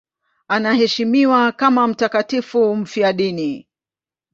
Anaheshimiwa kama mtakatifu mfiadini.